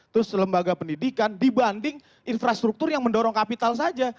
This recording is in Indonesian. terus lembaga pendidikan dibanding infrastruktur yang mendorong kapital saja